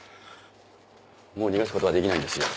もう逃がすことはできないんですよ。